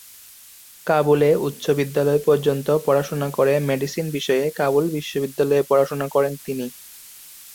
কাবুলে উচ্চবিদ্যালয় পর্যন্ত পড়াশোনা করে মেডিসিন বিষয়ে কাবুল বিশ্ববিদ্যালয়ে পড়াশোনা করেন তিনি।